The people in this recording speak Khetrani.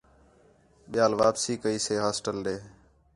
ٻِیال واپسی کَئی سے ہاسٹل ݙے